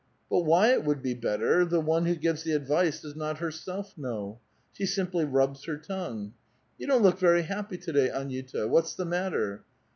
But why it would be better, the one who gives the advice does not her self know ; she simply rubs her tongue. ' You don't look very happy to day, Aniuta; what's tlie matter?'